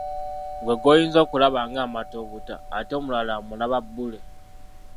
Ggwe gw'oyinza okulaba ng'amata obuta, ate omulala amulaba bbule!